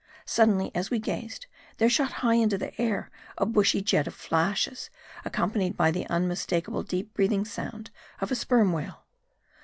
Suddenly, as we gazed, there shot high into the air a bushy jet of flashes, accompanied by the unmistakable deep breathing sound of a sperm whale.